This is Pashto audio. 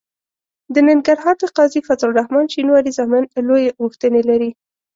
د ننګرهار د قاضي فضل الرحمن شینواري زامن لویې غوښتنې لري.